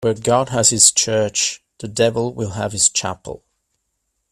Where God has his church, the devil will have his chapel.